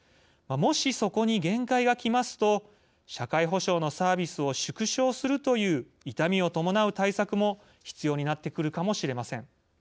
もし、そこに限界が来ますと社会保障のサービスを縮小するという痛みを伴う対策も必要になってくるかもしれません。